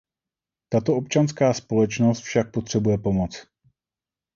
Tato občanská společnost však potřebuje pomoc.